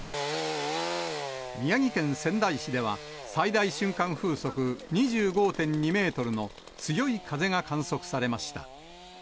宮城県仙台市では、最大瞬間風速２５．２メートルの強い風が観測されました。